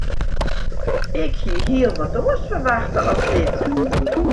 Ik hie hiel wat oars ferwachte as dit.